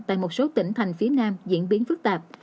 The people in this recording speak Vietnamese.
tại một số tỉnh thành phía nam diễn biến phức tạp